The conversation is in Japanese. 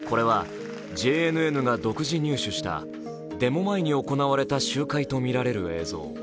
これはＪＮＮが独自入手したデモ前に行われた集会とみられる映像。